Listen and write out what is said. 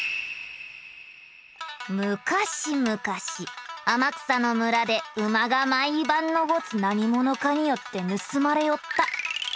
昔々天草の村で馬が毎晩のごつ何者かによって盗まれよった。